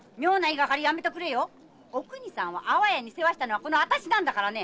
お邦さんを安房屋に世話したのは私なんだからね！